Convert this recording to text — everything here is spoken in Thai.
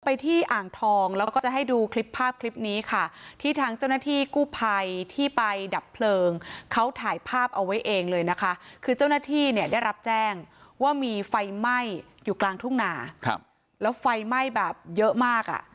ไปที่อ่างทองแล้วก็จะให้ดูคลิปภาพคลิปนี้ค่ะที่ทางเจ้าหน้าที่กู้ภัยที่ไปดับเพลิงเขาถ่ายภาพเอาไว้เองเลยนะคะคือเจ้าหน้าที่เนี่ยได้รับแจ้งว่ามีไฟไหม้อยู่กลางทุ่งนาครับแล้วไฟไหม้แบบเยอะมากอ่ะ